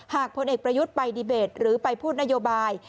หากผลเอกประยุทธศาสตร์ไปดีเบตหรือไปพูดนโยบาย